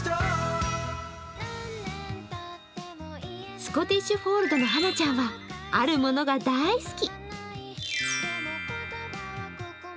スコティッシュフォールドのはなちゃんはあるものが大好き！